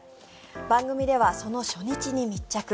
番組ではその初日に密着。